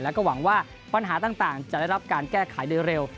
แล้วก็หวังว่าปัญหาต่างจะได้รับการแก้ไขโดยเร็ว